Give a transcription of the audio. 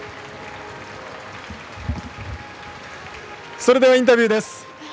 それではインタビューです。